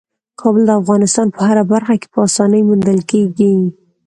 کابل د افغانستان په هره برخه کې په اسانۍ موندل کېږي.